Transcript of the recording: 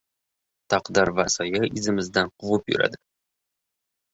• Taqdir va soya izimizdan quvib yuradi.